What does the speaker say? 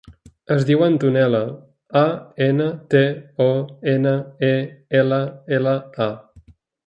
Es diu Antonella: a, ena, te, o, ena, e, ela, ela, a.